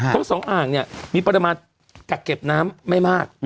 ทั้งสองอ่างเนี่ยมีปริมาณกักเก็บน้ำไม่มาก